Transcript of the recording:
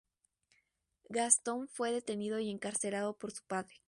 Gastón fue detenido y encarcelado por su padre.